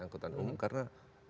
angkutan umum karena